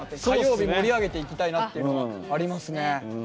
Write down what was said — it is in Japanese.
火曜日盛り上げていきたいなっていうのがありますね。